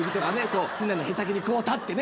こう船の舳先にこう立ってね。